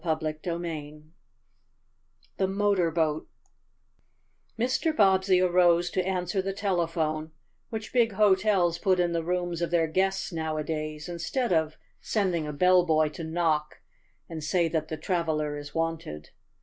CHAPTER XI THE MOTOR BOAT Mr. Bobbsey arose to answer the telephone, which big hotels put in the rooms of their guests nowadays instead of sending a bellboy to knock and say that the traveler is wanted.